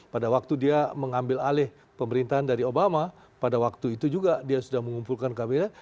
pada waktu dia mengambil alih pemerintahan dari obama pada waktu itu juga dia sudah mengumpulkan kabinet